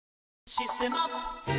「システマ」